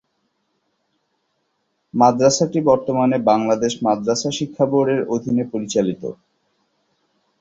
মাদ্রাসাটি বর্তমানে বাংলাদেশ মাদ্রাসা শিক্ষাবোর্ডের অধীনে পরিচালিত।